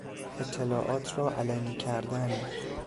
اطلاعات را علنی کردن